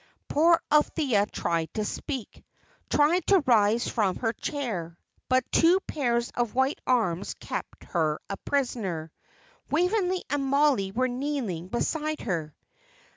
Poor Althea tried to speak, tried to rise from her chair, but two pairs of white arms kept her a prisoner. Waveney and Mollie were kneeling beside her.